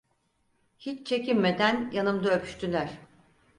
Hiç çekinmeden yanımda öpüştüler.